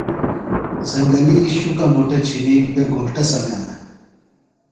زنگلی شُکہ مُٹہ چِھنیۡ بےۡ گھوݜٹہ سمِیانہ۔